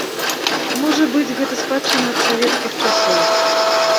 Можа быць гэта спадчына ад савецкіх часоў.